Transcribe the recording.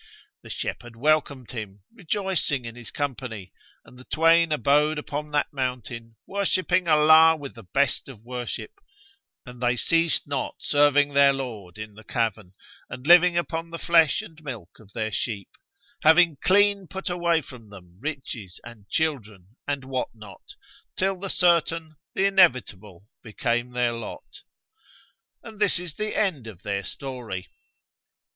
The shepherd welcomed him, rejoicing in his company and the twain abode upon that mountain, worshipping Allah with the best of worship; and they ceased not serving their Lord in the cavern and living upon the flesh and milk of their sheep, having clean put away from them riches and children and what not, till the Certain, the Inevitable became their lot. And this is the end of their story.